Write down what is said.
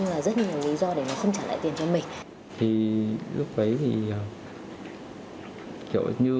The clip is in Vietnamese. nói chung là rất nhiều nguyên do để nó không trả lại tiền cho mình